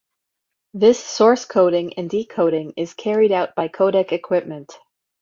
This source coding and decoding is carried out by codec equipment.